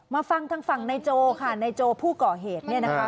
ฟังทางฝั่งนายโจค่ะในโจผู้ก่อเหตุเนี่ยนะคะ